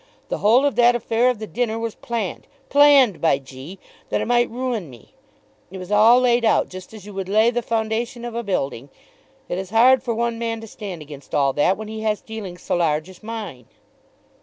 The whole of that affair of the dinner was planned, planned by G , that it might ruin me. It was all laid out just as you would lay the foundation of a building. It is hard for one man to stand against all that when he has dealings so large as mine."